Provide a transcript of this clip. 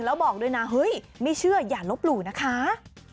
แล้วบอกด้วยนะเฮ้ยไม่เชื่ออย่าลบหลู่นะคะ